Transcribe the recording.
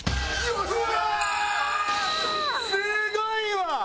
すごいわ！